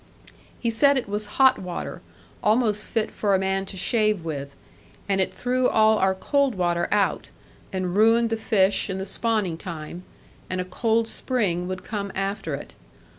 He said it was hot water, almost fit for a man to shave with, and it threw all our cold water out, and ruined the fish and the spawning time, and a cold spring would come after it.